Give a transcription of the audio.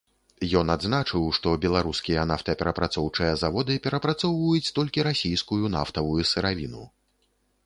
Ён адзначыў, што беларускія нафтаперапрацоўчыя заводы перапрацоўваюць толькі расійскую нафтавую сыравіну.